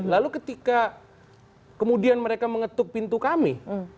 lalu ketika kemudian mereka mengetuk pintu kami